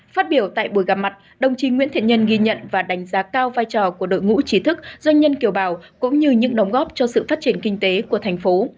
phát biểu tại buổi gặp mặt đồng chí nguyễn thiện nhân ghi nhận và đánh giá cao vai trò của đội ngũ trí thức doanh nhân kiểu bào cũng như những đóng góp cho sự phát triển kinh tế của thành phố